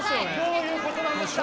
どういうことなんですか？